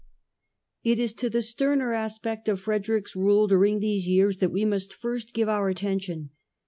It is to the sterner aspect of Frederick's rule during these years that we must first give our attention.